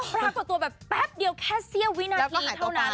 คือปรากฏตัวแบบแป๊บเดียวแค่เสียวินาทีเท่านั้นแล้วก็หายตัวไป